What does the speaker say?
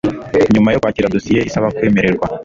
Nyuma yo kwakira dosiye isaba kwemererwa